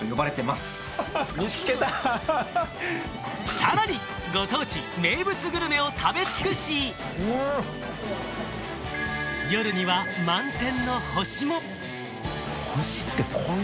さらに、ご当地、名物グルメを食べつくし、夜には満天の星も！